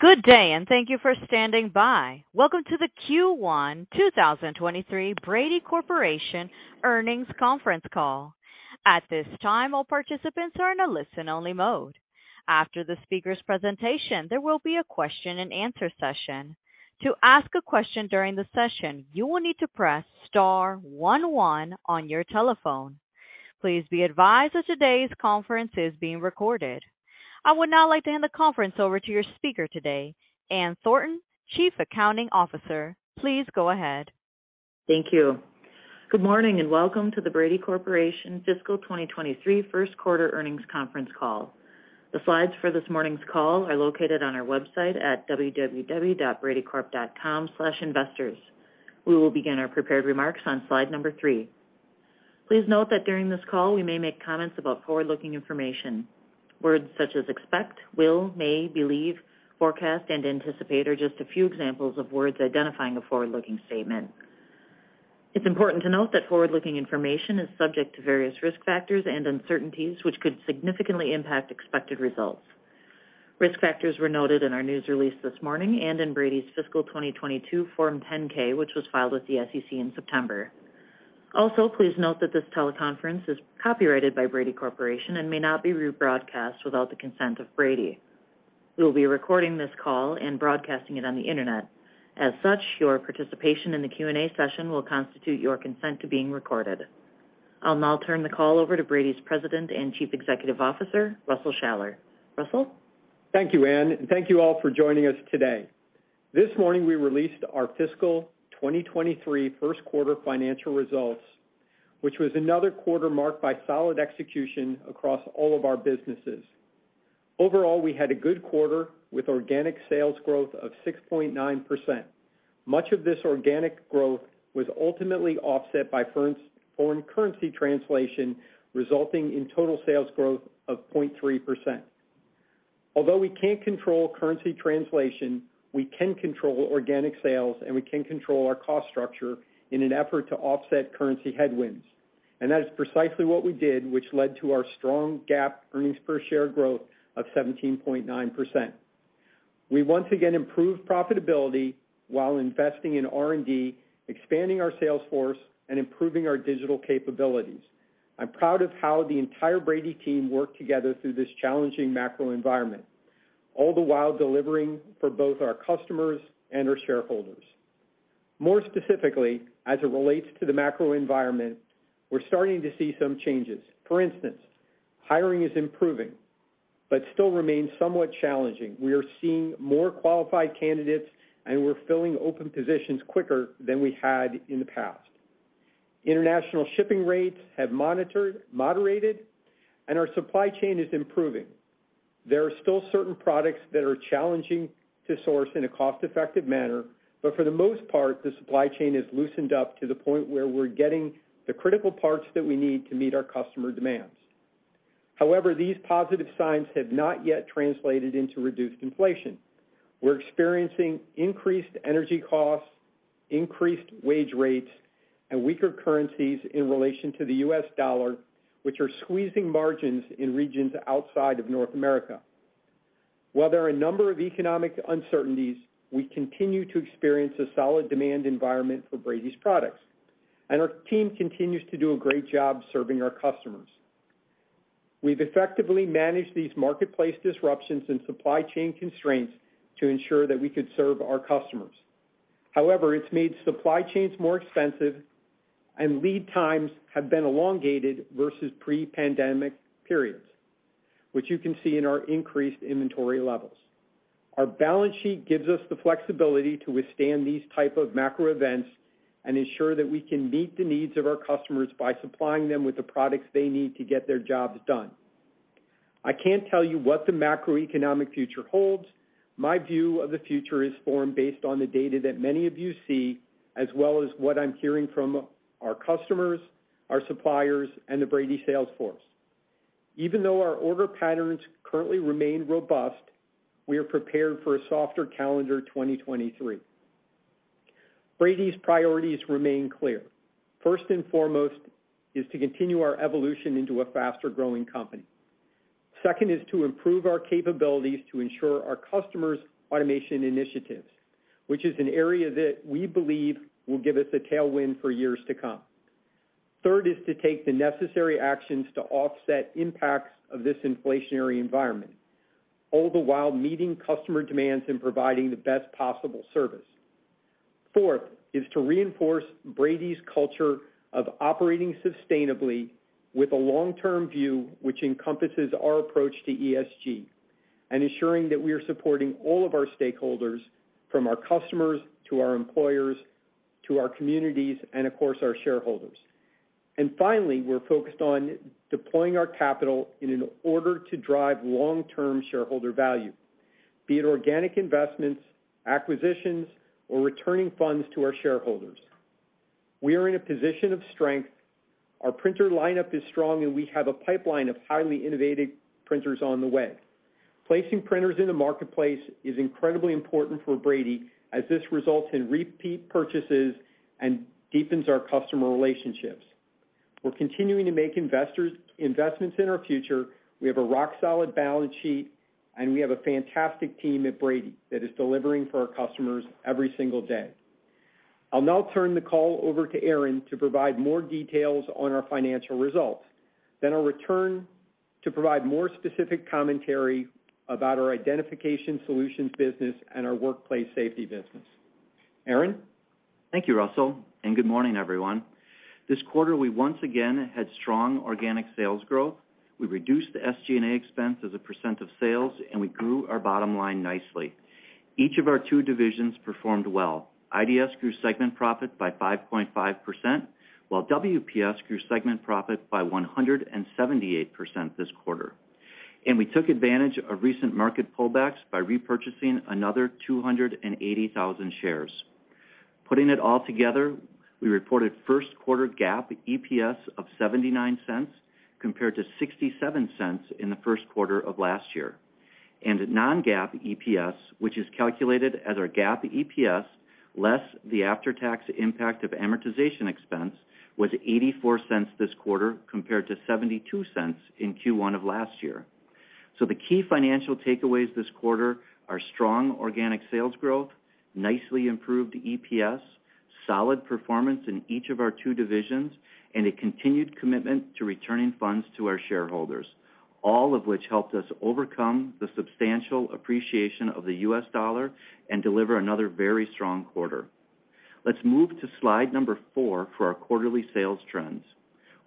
Good day, and thank you for standing by. Welcome to the Q1 2023 Brady Corporation Earnings Conference Call. At this time, all participants are in a listen-only mode. After the speaker's presentation, there will be a question and answer session. To ask a question during the session, you will need to press star one one on your telephone. Please be advised that today's conference is being recorded. I would now like to hand the conference over to your speaker today, Ann Thornton, Chief Accounting Officer. Please go ahead. Thank you. Good morning, and welcome to the Brady Corporation fiscal 2023 first quarter earnings conference call. The slides for this morning's call are located on our website at www.bradycorp.com/investors. We will begin our prepared remarks on slide number three. Please note that during this call, we may make comments about forward-looking information. Words such as expect, will, may, believe, forecast, and anticipate are just a few examples of words identifying a forward-looking statement. It's important to note that forward-looking information is subject to various risk factors and uncertainties, which could significantly impact expected results. Risk factors were noted in our news release this morning and in Brady's fiscal 2022 Form 10-K, which was filed with the SEC in September. Also, please note that this teleconference is copyrighted by Brady Corporation and may not be rebroadcast without the consent of Brady. We will be recording this call and broadcasting it on the Internet. As such, your participation in the Q&A session will constitute your consent to being recorded. I'll now turn the call over to Brady's President and Chief Executive Officer, Russell Shaller. Russell? Thank you, Ann, and thank you all for joining us today. This morning, we released our fiscal 2023 first quarter financial results, which was another quarter marked by solid execution across all of our businesses. Overall, we had a good quarter with organic sales growth of 6.9%. Much of this organic growth was ultimately offset by foreign currency translation, resulting in total sales growth of 0.3%. Although we can't control currency translation, we can control organic sales, and we can control our cost structure in an effort to offset currency headwinds. That is precisely what we did, which led to our strong GAAP earnings per share growth of 17.9%. We once again improved profitability while investing in R&D, expanding our sales force, and improving our digital capabilities. I'm proud of how the entire Brady team worked together through this challenging macro environment, all the while delivering for both our customers and our shareholders. More specifically, as it relates to the macro environment, we're starting to see some changes. For instance, hiring is improving but still remains somewhat challenging. We are seeing more qualified candidates, and we're filling open positions quicker than we had in the past. International shipping rates have moderated, and our supply chain is improving. There are still certain products that are challenging to source in a cost-effective manner, but for the most part, the supply chain is loosened up to the point where we're getting the critical parts that we need to meet our customer demands. However, these positive signs have not yet translated into reduced inflation. We're experiencing increased energy costs, increased wage rates, and weaker currencies in relation to the U.S. dollar, which are squeezing margins in regions outside of North America. While there are a number of economic uncertainties, we continue to experience a solid demand environment for Brady's products, and our team continues to do a great job serving our customers. We've effectively managed these marketplace disruptions and supply chain constraints to ensure that we could serve our customers. However, it's made supply chains more expensive, and lead times have been elongated versus pre-pandemic periods, which you can see in our increased inventory levels. Our balance sheet gives us the flexibility to withstand these type of macro events and ensure that we can meet the needs of our customers by supplying them with the products they need to get their jobs done. I can't tell you what the macroeconomic future holds. My view of the future is formed based on the data that many of you see, as well as what I'm hearing from our customers, our suppliers, and the Brady sales force. Even though our order patterns currently remain robust, we are prepared for a softer calendar 2023. Brady's priorities remain clear. First and foremost is to continue our evolution into a faster-growing company. Second is to improve our capabilities to ensure our customers' automation initiatives, which is an area that we believe will give us a tailwind for years to come. Third is to take the necessary actions to offset impacts of this inflationary environment, all the while meeting customer demands and providing the best possible service. Fourth is to reinforce Brady's culture of operating sustainably with a long-term view, which encompasses our approach to ESG and ensuring that we are supporting all of our stakeholders, from our customers to our employees, to our communities and of course, our shareholders. Finally, we're focused on deploying our capital in an order to drive long-term shareholder value, be it organic investments, acquisitions, or returning funds to our shareholders. We are in a position of strength. Our printer lineup is strong, and we have a pipeline of highly innovative printers on the way. Placing printers in the marketplace is incredibly important for Brady as this results in repeat purchases and deepens our customer relationships. We're continuing to make investments in our future. We have a rock-solid balance sheet, and we have a fantastic team at Brady that is delivering for our customers every single day. I'll now turn the call over to Aaron to provide more details on our financial results. I'll return to provide more specific commentary about our Identification Solutions business and our Workplace Safety business. Aaron? Thank you, Russell, and good morning, everyone. This quarter, we once again had strong organic sales growth. We reduced the SG&A expense as a % of sales, and we grew our bottom line nicely. Each of our two divisions performed well. IDS grew segment profit by 5.5%, while WPS grew segment profit by 178% this quarter. We took advantage of recent market pullbacks by repurchasing another 280,000 shares. Putting it all together, we reported first quarter GAAP EPS of $0.79 compared to $0.67 in the first quarter of last year. Non-GAAP EPS, which is calculated as our GAAP EPS less the after-tax impact of amortization expense, was $0.84 this quarter compared to $0.72 in Q1 of last year. The key financial takeaways this quarter are strong organic sales growth, nicely improved EPS, solid performance in each of our two divisions, and a continued commitment to returning funds to our shareholders, all of which helped us overcome the substantial appreciation of the U.S. dollar and deliver another very strong quarter. Let's move to slide number four for our quarterly sales trends.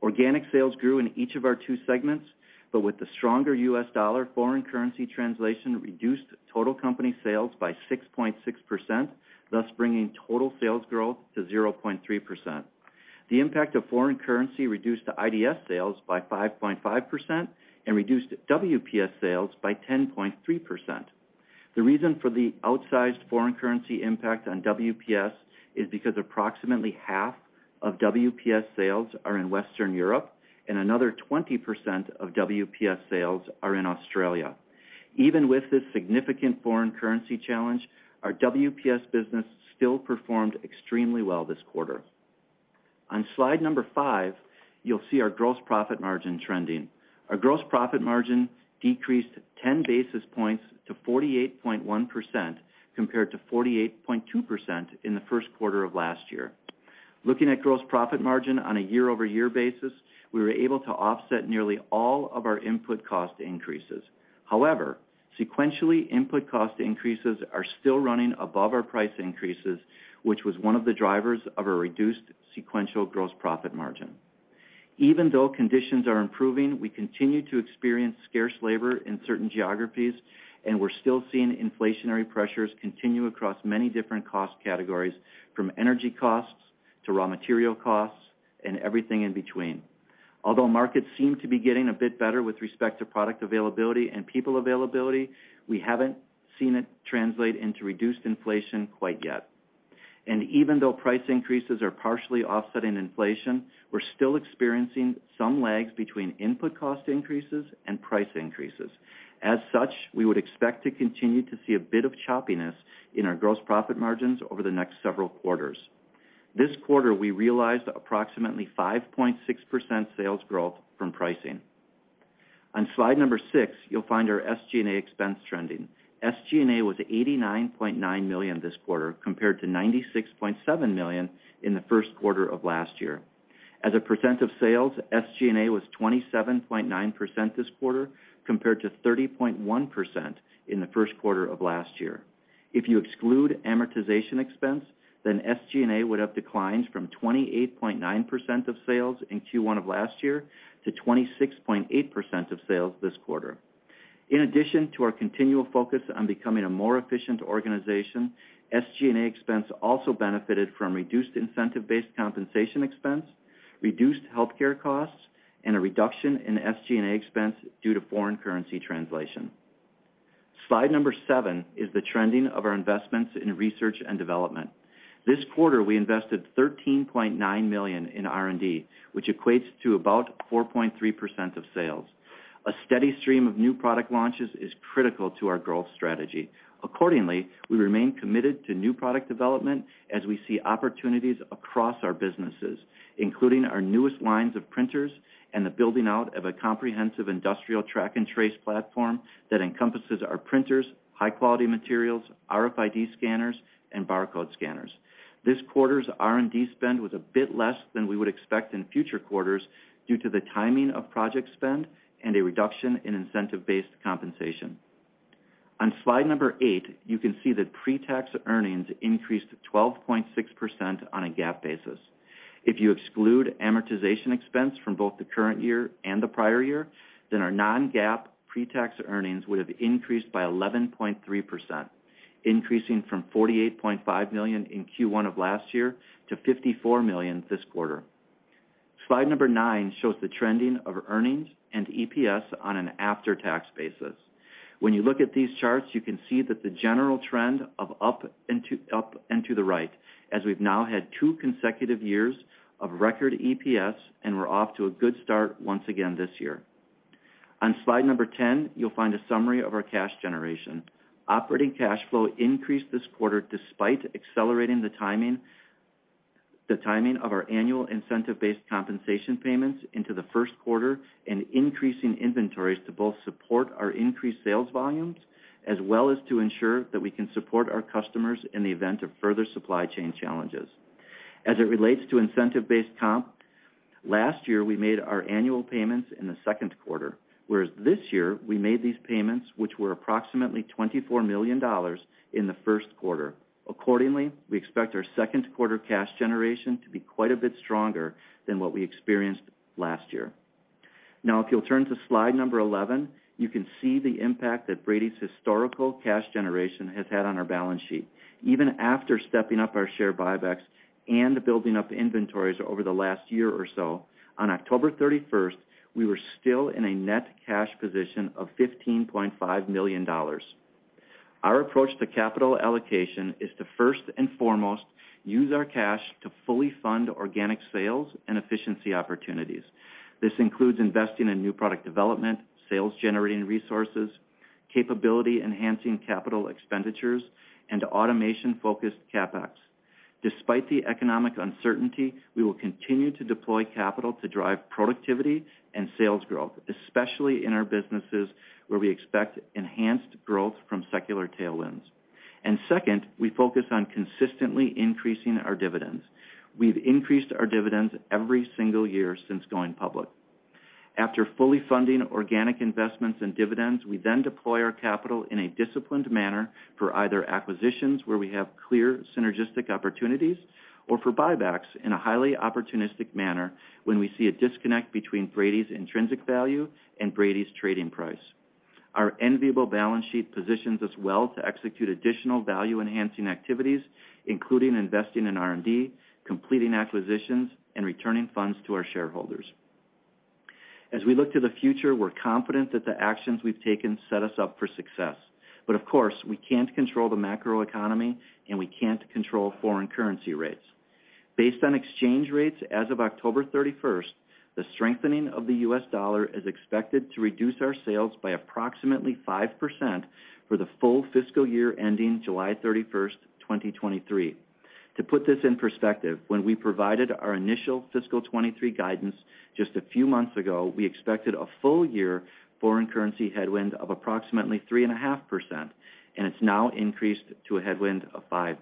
Organic sales grew in each of our two segments, but with the stronger U.S. dollar, foreign currency translation reduced total company sales by 6.6%, thus bringing total sales growth to 0.3%. The impact of foreign currency reduced IDS sales by 5.5% and reduced WPS sales by 10.3%. The reason for the outsized foreign currency impact on WPS is because approximately half of WPS sales are in Western Europe, and another 20% of WPS sales are in Australia. Even with this significant foreign currency challenge, our WPS business still performed extremely well this quarter. On slide number five, you'll see our gross profit margin trending. Our gross profit margin decreased 10 basis points to 48.1% compared to 48.2% in the first quarter of last year. Looking at gross profit margin on a year-over-year basis, we were able to offset nearly all of our input cost increases. However, sequentially, input cost increases are still running above our price increases, which was one of the drivers of a reduced sequential gross profit margin. Even though conditions are improving, we continue to experience scarce labor in certain geographies, and we're still seeing inflationary pressures continue across many different cost categories, from energy costs to raw material costs and everything in between. Although markets seem to be getting a bit better with respect to product availability and people availability, we haven't seen it translate into reduced inflation quite yet. Even though price increases are partially offsetting inflation, we're still experiencing some lags between input cost increases and price increases. As such, we would expect to continue to see a bit of choppiness in our gross profit margins over the next several quarters. This quarter, we realized approximately 5.6% sales growth from pricing. On slide number six, you'll find our SG&A expense trending. SG&A was $89.9 million this quarter compared to $96.7 million in the first quarter of last year. As a percent of sales, SG&A was 27.9% this quarter compared to 30.1% in the first quarter of last year. If you exclude amortization expense, then SG&A would have declined from 28.9% of sales in Q1 of last year to 26.8% of sales this quarter. In addition to our continual focus on becoming a more efficient organization, SG&A expense also benefited from reduced incentive-based compensation expense, reduced healthcare costs, and a reduction in SG&A expense due to foreign currency translation. Slide number seven is the trending of our investments in research and development. This quarter, we invested $13.9 million in R&D, which equates to about 4.3% of sales. A steady stream of new product launches is critical to our growth strategy. Accordingly, we remain committed to new product development as we see opportunities across our businesses, including our newest lines of printers and the building out of a comprehensive industrial track and trace platform that encompasses our printers, high-quality materials, RFID scanners, and barcode scanners. This quarter's R&D spend was a bit less than we would expect in future quarters due to the timing of project spend and a reduction in incentive-based compensation. On slide number eight, you can see that pre-tax earnings increased to 12.6% on a GAAP basis. If you exclude amortization expense from both the current year and the prior year, then our non-GAAP pre-tax earnings would have increased by 11.3%, increasing from $48.5 million in Q1 of last year to $54 million this quarter. Slide number nine shows the trending of earnings and EPS on an after-tax basis. When you look at these charts, you can see that the general trend of up and to the right, as we've now had 2 consecutive years of record EPS, and we're off to a good start once again this year. On slide number 10, you'll find a summary of our cash generation. Operating cash flow increased this quarter despite accelerating the timing of our annual incentive-based compensation payments into the first quarter and increasing inventories to both support our increased sales volumes, as well as to ensure that we can support our customers in the event of further supply chain challenges. As it relates to incentive-based comp, last year, we made our annual payments in the second quarter, whereas this year we made these payments, which were approximately $24 million in the first quarter. Accordingly, we expect our second quarter cash generation to be quite a bit stronger than what we experienced last year. Now, if you'll turn to slide number 11, you can see the impact that Brady's historical cash generation has had on our balance sheet. Even after stepping up our share buybacks and building up inventories over the last year or so, on October 31st, we were still in a net cash position of $15.5 million. Our approach to capital allocation is to first and foremost use our cash to fully fund organic sales and efficiency opportunities. This includes investing in new product development, sales-generating resources, capability-enhancing capital expenditures, and automation-focused CapEx. Despite the economic uncertainty, we will continue to deploy capital to drive productivity and sales growth, especially in our businesses where we expect enhanced growth from secular tailwinds. Second, we focus on consistently increasing our dividends. We've increased our dividends every single year since going public. After fully funding organic investments and dividends, we then deploy our capital in a disciplined manner for either acquisitions where we have clear synergistic opportunities or for buybacks in a highly opportunistic manner when we see a disconnect between Brady's intrinsic value and Brady's trading price. Our enviable balance sheet positions us well to execute additional value-enhancing activities, including investing in R&D, completing acquisitions, and returning funds to our shareholders. As we look to the future, we're confident that the actions we've taken set us up for success. Of course, we can't control the macroeconomy, and we can't control foreign currency rates. Based on exchange rates as of October 31st, the strengthening of the U.S. dollar is expected to reduce our sales by approximately 5% for the full fiscal year ending July 31st, 2023. To put this in perspective, when we provided our initial fiscal 2023 guidance just a few months ago, we expected a full year foreign currency headwind of approximately 3.5%, and it's now increased to a headwind of 5%.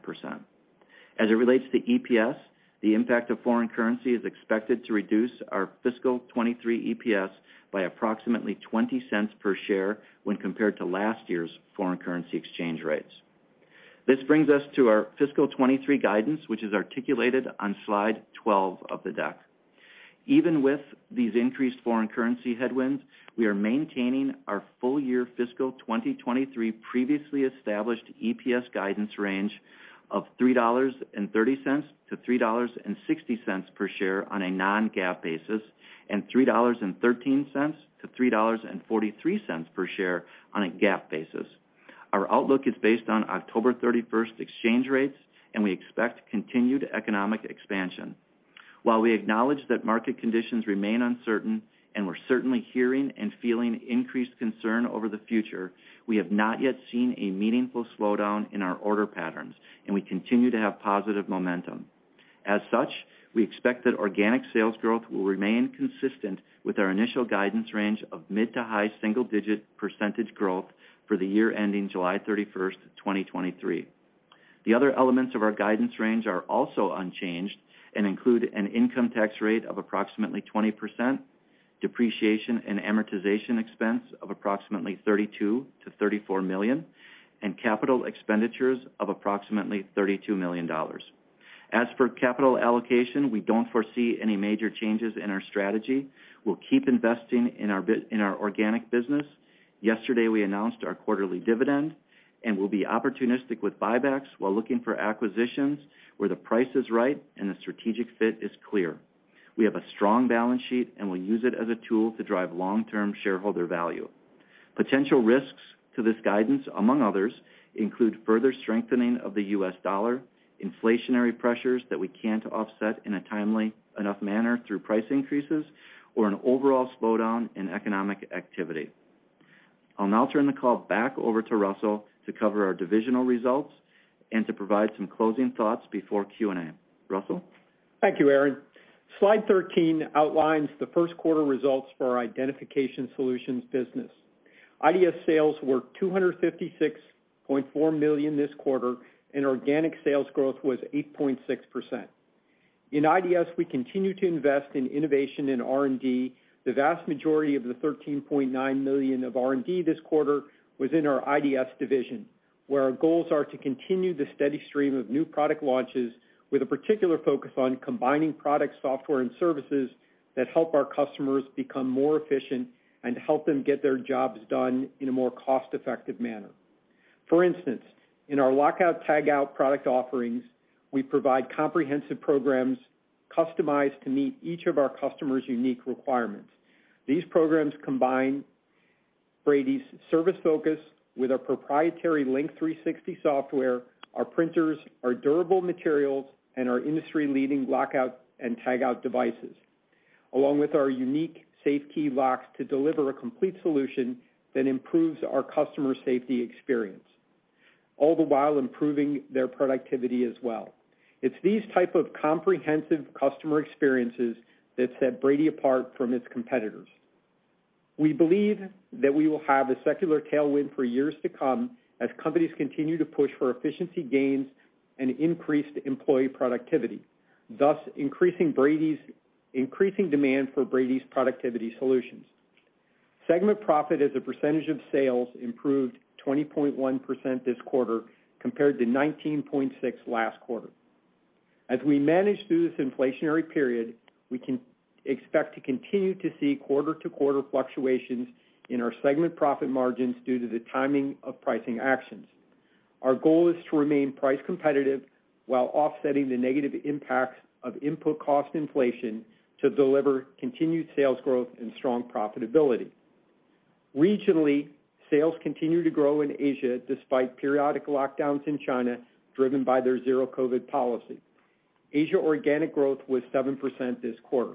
As it relates to EPS, the impact of foreign currency is expected to reduce our fiscal 2023 EPS by approximately $0.20 per share when compared to last year's foreign currency exchange rates. This brings us to our fiscal 2023 guidance, which is articulated on slide 12 of the deck. Even with these increased foreign currency headwinds, we are maintaining our full-year fiscal 2023 previously established EPS guidance range of $3.30-$3.60 per share on a non-GAAP basis, and $3.13-$3.43 per share on a GAAP basis. Our outlook is based on October 31st exchange rates, and we expect continued economic expansion. While we acknowledge that market conditions remain uncertain, and we're certainly hearing and feeling increased concern over the future, we have not yet seen a meaningful slowdown in our order patterns, and we continue to have positive momentum. As such, we expect that organic sales growth will remain consistent with our initial guidance range of mid- to high-single-digit % growth for the year ending July 31st, 2023. Other elements of our guidance range are also unchanged and include an income tax rate of approximately 20%, depreciation and amortization expense of approximately $32 million-$34 million, and capital expenditures of approximately $32 million. As for capital allocation, we don't foresee any major changes in our strategy. We'll keep investing in our organic business. Yesterday, we announced our quarterly dividend, and we'll be opportunistic with buybacks while looking for acquisitions where the price is right and the strategic fit is clear. We have a strong balance sheet, and we'll use it as a tool to drive long-term shareholder value. Potential risks to this guidance, among others, include further strengthening of the U.S. dollar, inflationary pressures that we can't offset in a timely enough manner through price increases, or an overall slowdown in economic activity. I'll now turn the call back over to Russell to cover our divisional results and to provide some closing thoughts before Q&A. Russell? Thank you, Aaron. Slide 13 outlines the first quarter results for our Identification Solutions business. IDS sales were $256.4 million this quarter, and organic sales growth was 8.6%. In IDS, we continue to invest in innovation in R&D. The vast majority of the $13.9 million of R&D this quarter was in our IDS division, where our goals are to continue the steady stream of new product launches with a particular focus on combining product, software, and services that help our customers become more efficient and help them get their jobs done in a more cost-effective manner. For instance, in our Lockout Tagout product offerings, we provide comprehensive programs customized to meet each of our customers' unique requirements. These programs combine Brady's service focus with our proprietary LINK360 software, our printers, our durable materials, and our industry-leading Lockout Tagout devices, along with our unique safety locks to deliver a complete solution that improves our customer safety experience, all the while improving their productivity as well. It's these type of comprehensive customer experiences that set Brady apart from its competitors. We believe that we will have a secular tailwind for years to come as companies continue to push for efficiency gains and increased employee productivity, thus increasing demand for Brady's productivity solutions. Segment profit as a percentage of sales improved 20.1% this quarter compared to 19.6% last quarter. As we manage through this inflationary period, we can expect to continue to see quarter-to-quarter fluctuations in our segment profit margins due to the timing of pricing actions. Our goal is to remain price competitive while offsetting the negative impacts of input cost inflation to deliver continued sales growth and strong profitability. Regionally, sales continue to grow in Asia despite periodic lockdowns in China driven by their zero COVID policy. Asia organic growth was 7% this quarter.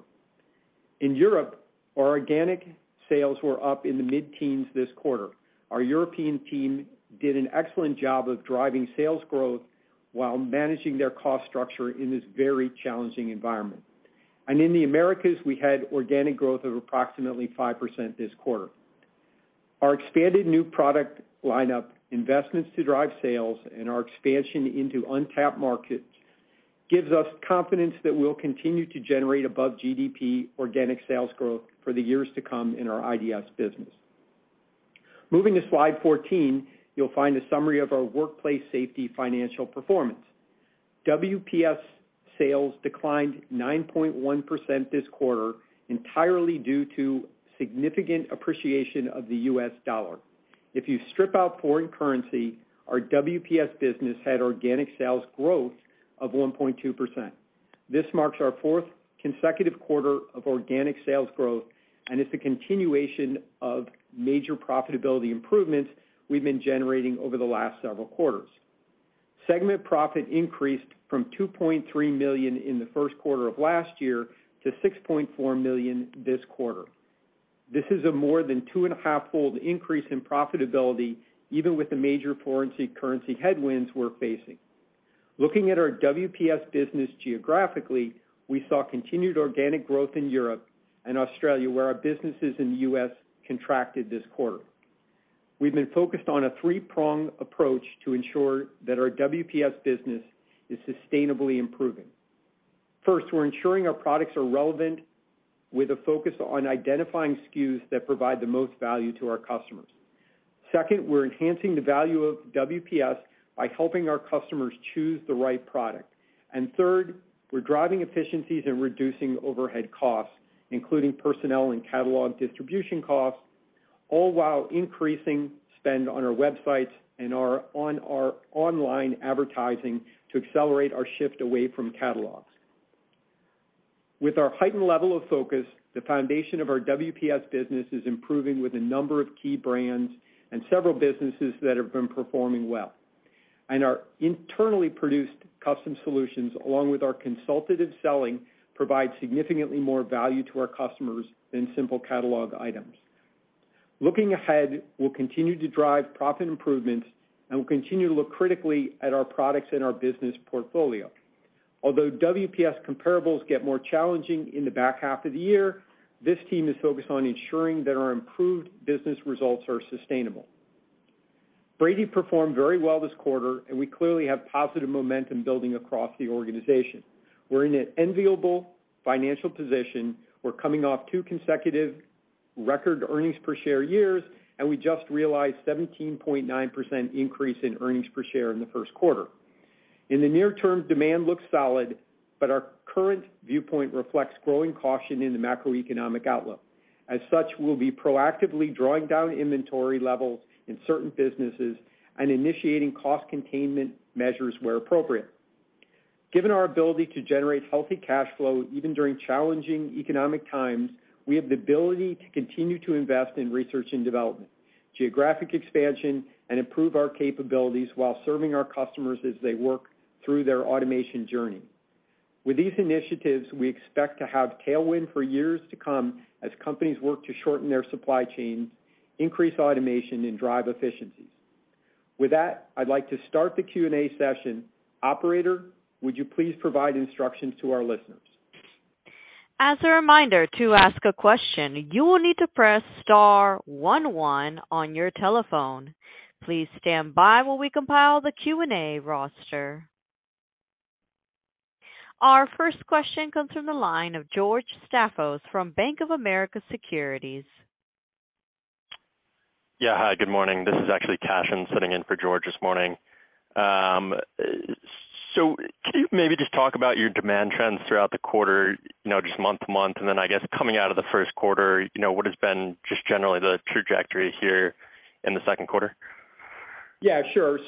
In Europe, our organic sales were up in the mid-teens this quarter. Our European team did an excellent job of driving sales growth while managing their cost structure in this very challenging environment. In the Americas, we had organic growth of approximately 5% this quarter. Our expanded new product lineup, investments to drive sales, and our expansion into untapped markets gives us confidence that we'll continue to generate above GDP organic sales growth for the years to come in our IDS business. Moving to slide 14, you'll find a summary of our Workplace Safety financial performance. WPS sales declined 9.1% this quarter entirely due to significant appreciation of the U.S. dollar. If you strip out foreign currency, our WPS business had organic sales growth of 1.2%. This marks our fourth consecutive quarter of organic sales growth, and it's a continuation of major profitability improvements we've been generating over the last several quarters. Segment profit increased from $2.3 million in the first quarter of last year to $6.4 million this quarter. This is a more than two-and-a-half-fold increase in profitability, even with the major foreign currency headwinds we're facing. Looking at our WPS business geographically, we saw continued organic growth in Europe and Australia, where our businesses in the U.S. contracted this quarter. We've been focused on a three-prong approach to ensure that our WPS business is sustainably improving. First, we're ensuring our products are relevant with a focus on identifying SKUs that provide the most value to our customers. Second, we're enhancing the value of WPS by helping our customers choose the right product. Third, we're driving efficiencies and reducing overhead costs, including personnel and catalog distribution costs, all while increasing spend on our websites and on our online advertising to accelerate our shift away from catalogs. With our heightened level of focus, the foundation of our WPS business is improving with a number of key brands and several businesses that have been performing well. Our internally produced custom solutions, along with our consultative selling, provide significantly more value to our customers than simple catalog items. Looking ahead, we'll continue to drive profit improvements, and we'll continue to look critically at our products and our business portfolio. Although WPS comparables get more challenging in the back half of the year, this team is focused on ensuring that our improved business results are sustainable. Brady performed very well this quarter, and we clearly have positive momentum building across the organization. We're in an enviable financial position. We're coming off two consecutive record earnings per share years, and we just realized 17.9% increase in earnings per share in the first quarter. In the near term, demand looks solid, but our current viewpoint reflects growing caution in the macroeconomic outlook. As such, we'll be proactively drawing down inventory levels in certain businesses and initiating cost containment measures where appropriate. Given our ability to generate healthy cash flow, even during challenging economic times, we have the ability to continue to invest in research and development, geographic expansion, and improve our capabilities while serving our customers as they work through their automation journey. With these initiatives, we expect to have tailwind for years to come as companies work to shorten their supply chains, increase automation, and drive efficiencies. With that, I'd like to start the Q&A session. Operator, would you please provide instructions to our listeners? As a reminder, to ask a question, you will need to press star one one on your telephone. Please stand by while we compile the Q&A roster. Our first question comes from the line of George Staphos from Bank of America Securities. Yeah. Hi, good morning. This is actually Koshin sitting in for George this morning. Can you maybe just talk about your demand trends throughout the quarter, you know, just month-to-month? I guess coming out of the first quarter, you know, what has been just generally the trajectory here in the second quarter? Yeah, sure.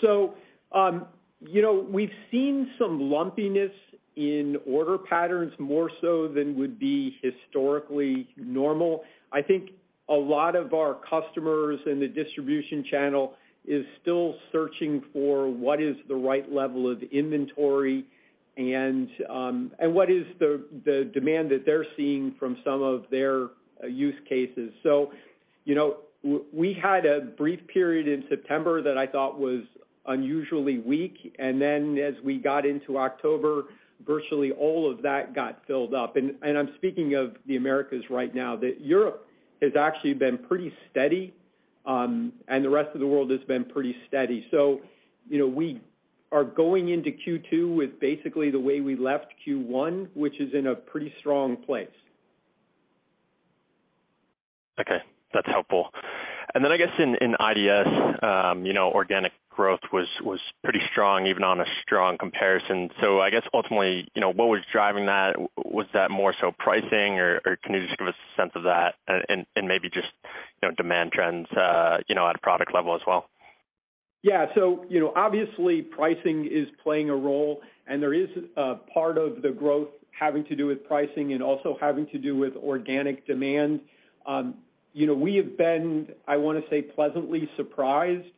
You know, we've seen some lumpiness in order patterns, more so than would be historically normal. I think a lot of our customers in the distribution channel is still searching for what is the right level of inventory and what is the demand that they're seeing from some of their use cases. You know, we had a brief period in September that I thought was unusually weak, and then as we got into October, virtually all of that got filled up. I'm speaking of the Americas right now, that Europe has actually been pretty steady, and the rest of the world has been pretty steady. You know, we are going into Q2 with basically the way we left Q1, which is in a pretty strong place. Okay, that's helpful. I guess in IDS, you know, organic growth was pretty strong even on a strong comparison. I guess ultimately, you know, what was driving that? Was that more so pricing or can you just give us a sense of that and maybe just, you know, demand trends, you know, at a product level as well? Yeah. You know, obviously pricing is playing a role, and there is a part of the growth having to do with pricing and also having to do with organic demand. You know, we have been, I wanna say, pleasantly surprised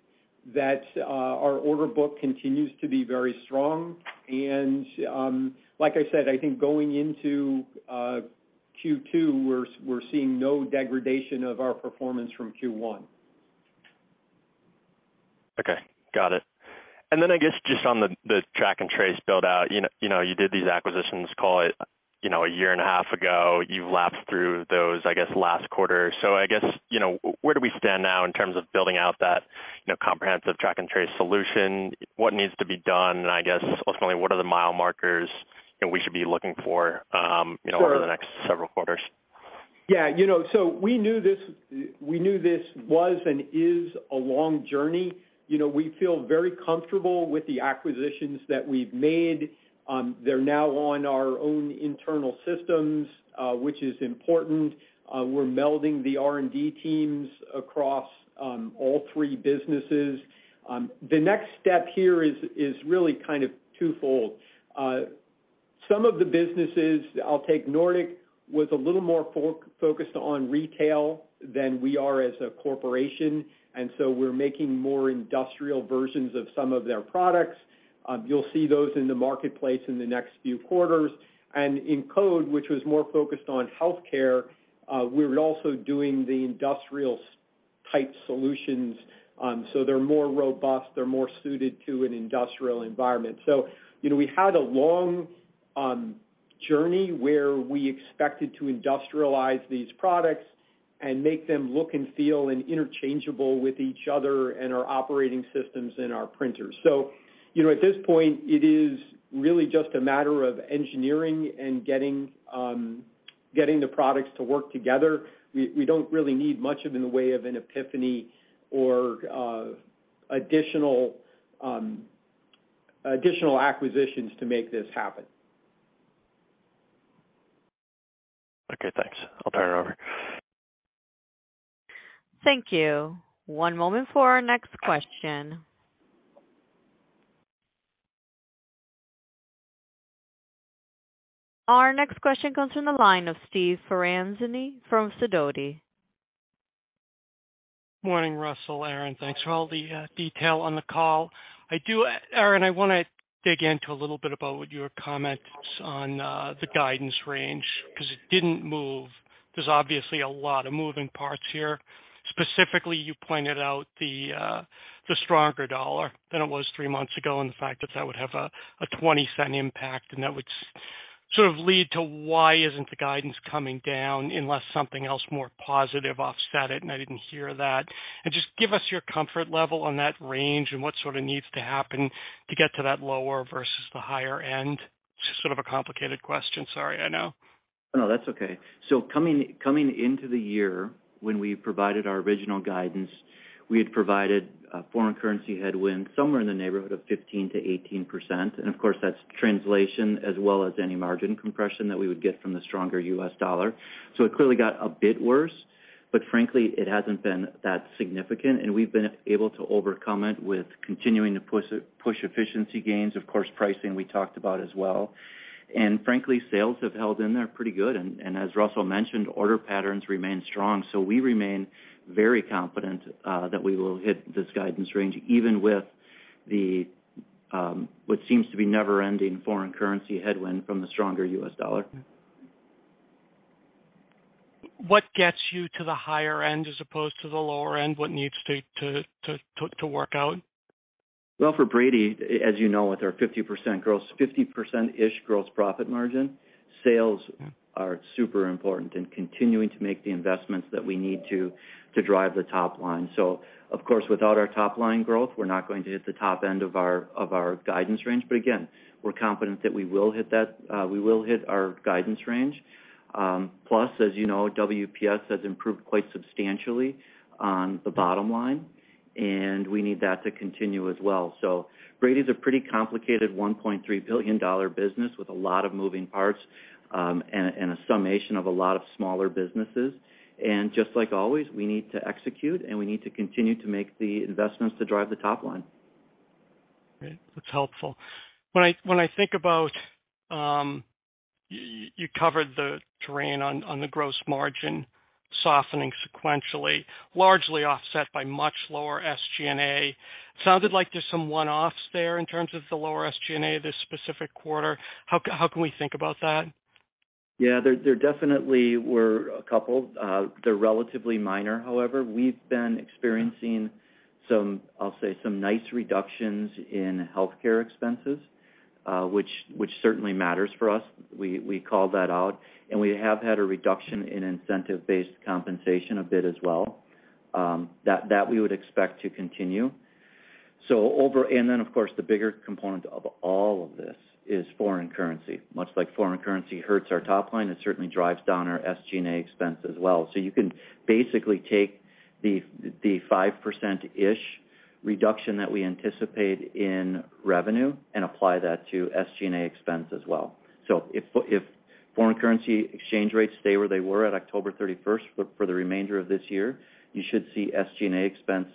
that our order book continues to be very strong. Like I said, I think going into Q2, we're seeing no degradation of our performance from Q1. Okay. Got it. I guess just on the track and trace build out, you know, you did these acquisitions, call it, you know, a year and a half ago. You lapped through those, I guess, last quarter. I guess, you know, where do we stand now in terms of building out that, you know, comprehensive track and trace solution? What needs to be done? I guess ultimately, what are the mile markers that we should be looking for, you know, over the next several quarters? Yeah, you know, we knew this was and is a long journey. You know, we feel very comfortable with the acquisitions that we've made. They're now on our own internal systems, which is important. We're melding the R&D teams across all three businesses. The next step here is really kind of twofold. Some of the businesses, I'll take Nordic, was a little more focused on retail than we are as a corporation. We're making more industrial versions of some of their products. You'll see those in the marketplace in the next few quarters. In Code, which was more focused on healthcare, we're also doing the industrial-type solutions. They're more robust, they're more suited to an industrial environment. You know, we had a long journey where we expected to industrialize these products and make them look and feel and interchangeable with each other and our operating systems and our printers. You know, at this point, it is really just a matter of engineering and getting the products to work together. We don't really need much of in the way of an epiphany or additional acquisitions to make this happen. Okay, thanks. I'll turn it over. Thank you. One moment for our next question. Our next question comes from the line of Steve Ferazani from Sidoti. Morning, Russell, Aaron. Thanks for all the detail on the call. Aaron, I wanna dig into a little bit about your comments on the guidance range 'cause it didn't move. There's obviously a lot of moving parts here. Specifically, you pointed out the stronger dollar than it was three months ago and the fact that that would have a $0.20 impact. That would sort of lead to why isn't the guidance coming down unless something else more positive offset it, and I didn't hear that. Just give us your comfort level on that range and what sort of needs to happen to get to that lower versus the higher end. It's just sort of a complicated question. Sorry, I know. No, that's okay. Coming into the year when we provided our original guidance, we had provided a foreign currency headwind somewhere in the neighborhood of 15%-18%. Of course, that's translation as well as any margin compression that we would get from the stronger U.S. dollar. It clearly got a bit worse, but frankly, it hasn't been that significant, and we've been able to overcome it with continuing to push efficiency gains. Of course, pricing we talked about as well. Frankly, sales have held in there pretty good. As Russell mentioned, order patterns remain strong. We remain very confident that we will hit this guidance range even with the what seems to be never-ending foreign currency headwind from the stronger U.S. dollar. What gets you to the higher end as opposed to the lower end? What needs to work out? Well, for Brady, as you know, with our 50%-ish gross profit margin, sales are super important and continuing to make the investments that we need to drive the top line. Of course, without our top line growth, we're not going to hit the top end of our guidance range. Again, we're confident that we will hit our guidance range. Plus, as you know, WPS has improved quite substantially on the bottom line, and we need that to continue as well. Brady is a pretty complicated $1.3 billion business with a lot of moving parts and a summation of a lot of smaller businesses. Just like always, we need to execute, and we need to continue to make the investments to drive the top line. Great. That's helpful. You covered the terrain on the gross margin softening sequentially, largely offset by much lower SG&A. Sounded like there's some one-offs there in terms of the lower SG&A this specific quarter. How can we think about that? Yeah. There definitely were a couple, they're relatively minor, however. We've been experiencing some, I'll say some nice reductions in healthcare expenses, which certainly matters for us. We call that out, and we have had a reduction in incentive-based compensation a bit as well, that we would expect to continue. Of course, the bigger component of all of this is foreign currency. Much like foreign currency hurts our top line, it certainly drives down our SG&A expense as well. You can basically take the 5%-ish reduction that we anticipate in revenue and apply that to SG&A expense as well. If foreign currency exchange rates stay where they were at October 31st for the remainder of this year, you should see SG&A expense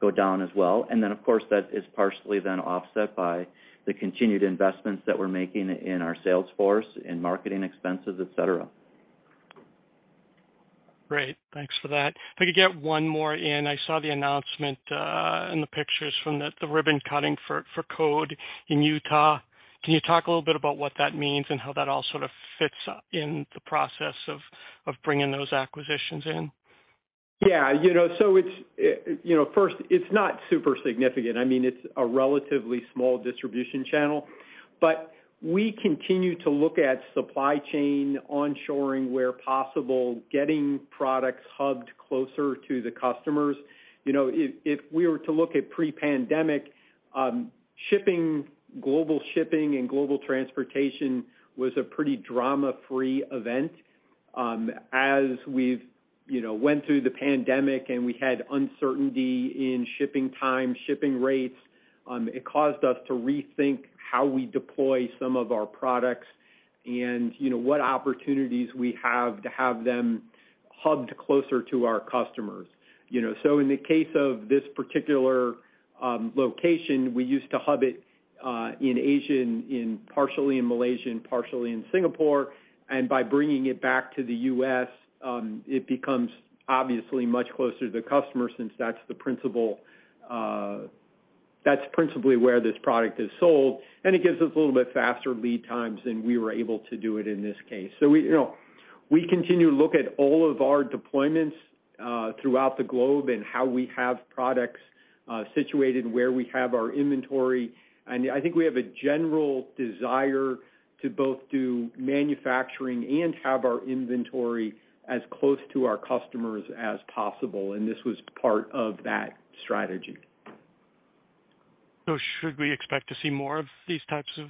go down as well. Of course, that is partially then offset by the continued investments that we're making in our sales force, in marketing expenses, et cetera. Great. Thanks for that. If I could get one more in. I saw the announcement and the pictures from the ribbon cutting for Code in Utah. Can you talk a little bit about what that means and how that all sort of fits in the process of bringing those acquisitions in? Yeah. You know, it's, you know, first, it's not super significant. I mean, it's a relatively small distribution channel. We continue to look at supply chain onshoring where possible, getting products hubbed closer to the customers. You know, if we were to look at pre-pandemic shipping, global shipping and global transportation was a pretty drama-free event. As we've, you know, went through the pandemic and we had uncertainty in shipping time, shipping rates, it caused us to rethink how we deploy some of our products and, you know, what opportunities we have to have them hubbed closer to our customers, you know. In the case of this particular location, we used to hub it in Asia, partially in Malaysia, partially in Singapore. By bringing it back to the U.S., it becomes obviously much closer to the customer since that's principally where this product is sold, and it gives us a little bit faster lead times, and we were able to do it in this case. We, you know, continue to look at all of our deployments throughout the globe and how we have products situated where we have our inventory. I think we have a general desire to both do manufacturing and have our inventory as close to our customers as possible, and this was part of that strategy. Should we expect to see more of these types of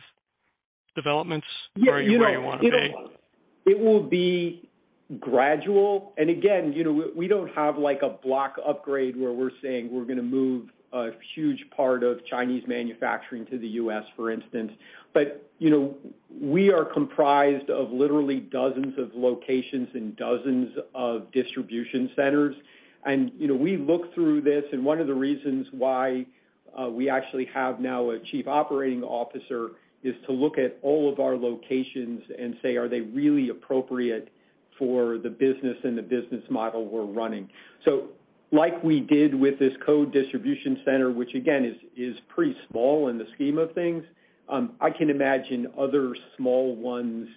developments where you wanna be? Yeah. You know, it will be gradual. Again, you know, we don't have like a block upgrade where we're saying we're gonna move a huge part of Chinese manufacturing to the U.S., for instance. You know, we are comprised of literally dozens of locations and dozens of distribution centers. You know, we look through this, and one of the reasons why we actually have now a Chief Operating Officer is to look at all of our locations and say, are they really appropriate for the business and the business model we're running? Like we did with this Code distribution center, which again, is pretty small in the scheme of things, I can imagine other small ones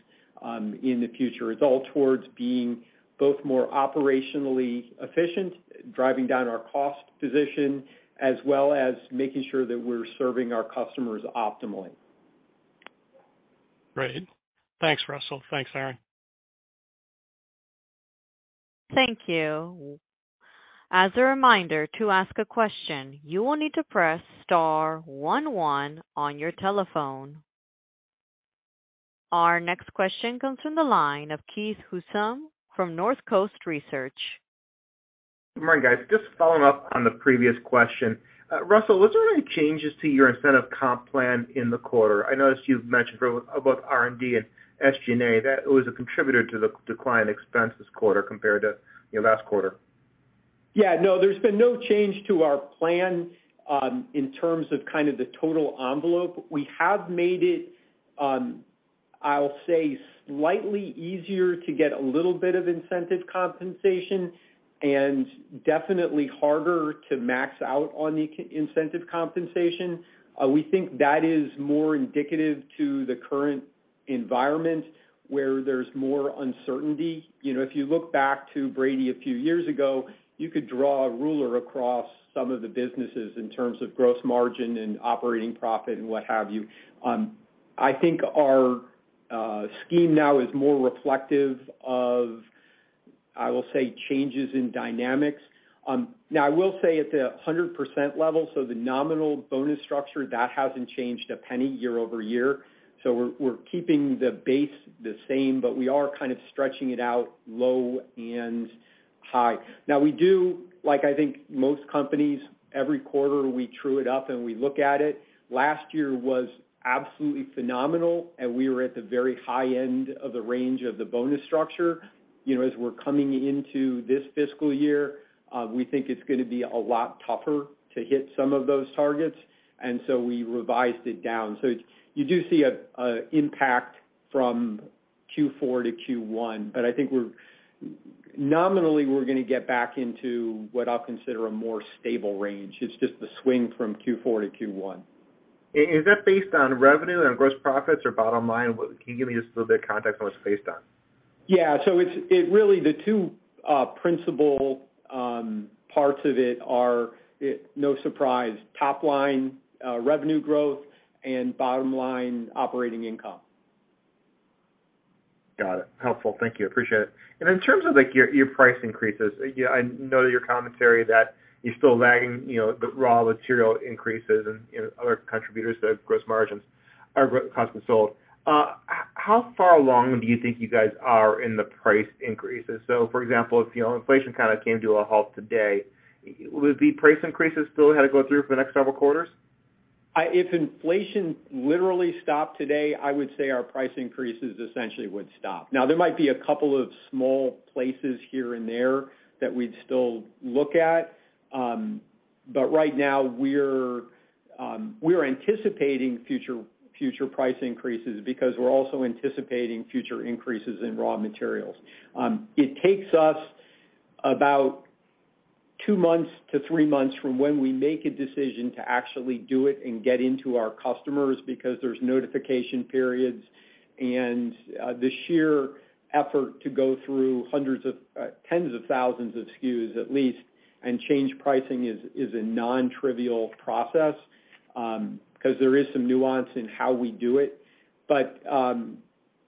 in the future. It's all towards being both more operationally efficient, driving down our cost position, as well as making sure that we're serving our customers optimally. Great. Thanks, Russell. Thanks, Aaron. Thank you. As a reminder, to ask a question, you will need to press star one one on your telephone. Our next question comes from the line of Keith Housum from Northcoast Research. Good morning, guys. Just following up on the previous question. Russell, was there any changes to your incentive comp plan in the quarter? I noticed you've mentioned about R&D and SG&A, that it was a contributor to the decline in expense this quarter compared to, you know, last quarter. Yeah. No, there's been no change to our plan in terms of kind of the total envelope. We have made it, I'll say slightly easier to get a little bit of incentive compensation and definitely harder to max out on the incentive compensation. We think that is more indicative to the current environment where there's more uncertainty. You know, if you look back to Brady a few years ago, you could draw a ruler across some of the businesses in terms of gross margin and operating profit and what have you. I think our scheme now is more reflective of, I will say, changes in dynamics. Now I will say at the 100% level, so the nominal bonus structure, that hasn't changed a penny year-over-year. We're keeping the base the same, but we are kind of stretching it out low and high. Now we do, like I think most companies, every quarter, we true it up and we look at it. Last year was absolutely phenomenal, and we were at the very high end of the range of the bonus structure. You know, as we're coming into this fiscal year, we think it's gonna be a lot tougher to hit some of those targets, and so we revised it down. You do see a impact from Q4 to Q1. Nominally, we're gonna get back into what I'll consider a more stable range. It's just the swing from Q4 to Q1. Is that based on revenue and gross profits or bottom line? Can you give me just a little bit of context on what it's based on? Yeah. The two principal parts of it are, no surprise, top-line revenue growth and bottom-line operating income. Got it. Helpful. Thank you. Appreciate it. In terms of, like, your price increases, yeah, I know that your commentary that you're still lagging, you know, the raw material increases and, you know, other contributors to gross margins or cost of sold. How far along do you think you guys are in the price increases? For example, if, you know, inflation kinda came to a halt today, would the price increases still had to go through for the next several quarters? I-- If inflation literally stopped today, I would say our price increases essentially would stop. Now, there might be a couple of small places here and there that we'd still look at. Um, but right now we're, um, we're anticipating future price increases because we're also anticipating future increases in raw materials. Um, it takes us about two months to three months from when we make a decision to actually do it and get into our customers because there's notification periods, and, uh, the sheer effort to go through hundreds of, uh, tens of thousands of SKUs at least and change pricing is a non-trivial process, um, 'cause there is some nuance in how we do it. But, um,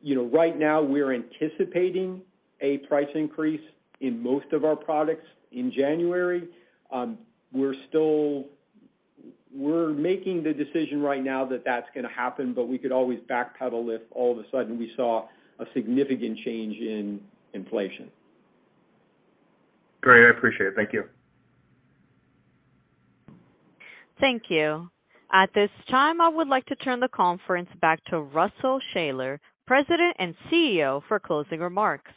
you know, right now we're anticipating a price increase in most of our products in January. We're making the decision right now that that's gonna happen, but we could always backpedal if all of a sudden we saw a significant change in inflation. Great. I appreciate it. Thank you. Thank you. At this time, I would like to turn the conference back to Russell Shaller, President and CEO, for closing remarks.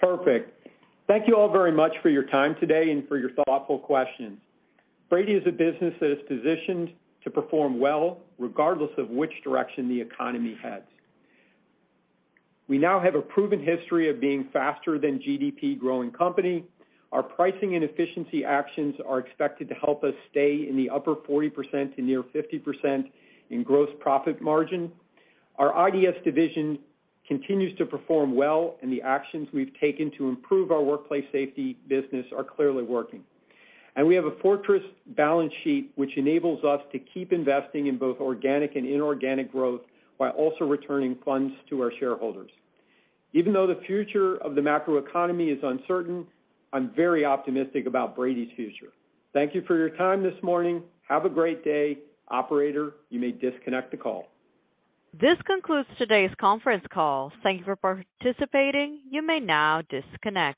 Perfect. Thank you all very much for your time today and for your thoughtful questions. Brady is a business that is positioned to perform well regardless of which direction the economy heads. We now have a proven history of being faster than GDP growing company. Our pricing and efficiency actions are expected to help us stay in the upper 40%-near 50% in gross profit margin. Our IDS division continues to perform well, and the actions we've taken to improve our Workplace Safety business are clearly working. We have a fortress balance sheet, which enables us to keep investing in both organic and inorganic growth, while also returning funds to our shareholders. Even though the future of the macroeconomy is uncertain, I'm very optimistic about Brady's future. Thank you for your time this morning. Have a great day. Operator, you may disconnect the call. This concludes today's conference call. Thank you for participating. You may now disconnect.